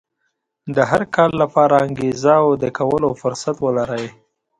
د هر کار لپاره انګېزه او د کولو فرصت ولرئ.